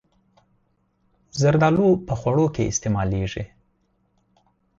زردالو په خوړو کې استعمالېږي.